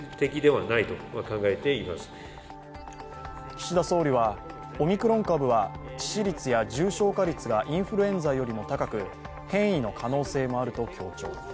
岸田総理は、オミクロン株は致死率や重症化率がインフルエンザよりも高く変異の可能性もあると強調。